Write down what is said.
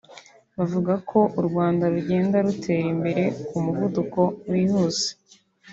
bavuga ko u Rwanda rugenda rutera imbere ku muvuduko wihuse